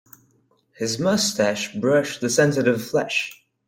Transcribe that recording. His moustache brushed the sensitive flesh.